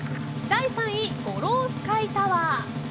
第３位、五老スカイタワー。